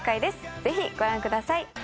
ぜひご覧ください。